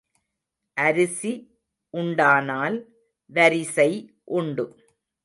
அரிசி உண்டானால் வரிசை உண்டு.